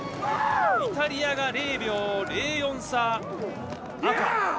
赤、イタリアが０秒０４差。